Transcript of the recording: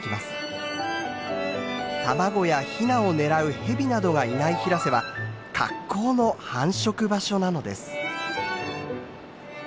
卵やヒナを狙うヘビなどがいない平瀬は格好の繁殖場所なのです。